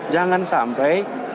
jangan sampai perubahan terjadi